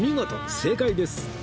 正解です